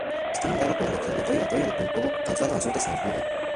Está nombrado por el observatorio de Púlkovo, situado al sur de San Petersburgo.